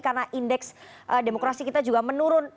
karena indeks demokrasi kita juga menurun